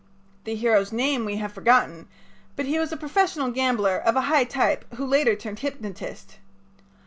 The hero's name we have forgotten, but he was a professional gambler, of a high type, who later turned hypnotist.